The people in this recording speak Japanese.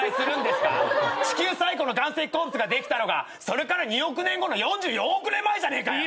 地球最古の岩石鉱物ができたのがそれから２億年後の４４億年前じゃねえかよ！